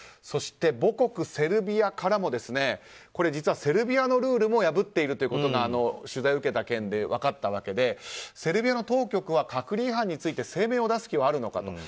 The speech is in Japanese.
そして、母国セルビアからも実はセルビアのルールも破っているということが取材を受けた件で分かったわけでセルビアの当局は隔離違反について声明を出す気はあるのかと。